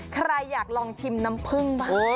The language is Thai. ใครอยากลองชิมน้ำผึ้งบ้าง